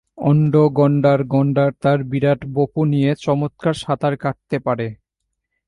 ন্ড- গণ্ডার- গণ্ডার তার বিরাট বপু নিয়ে চমৎকার সাঁতার কাটতে পারে।